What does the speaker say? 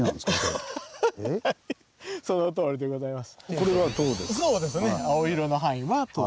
はいそのとおりでございます。